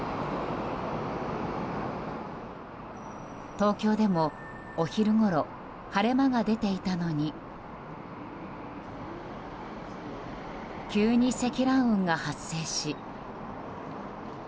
東京でもお昼ごろ晴れ間が出ていたのに急に積乱雲が発生し。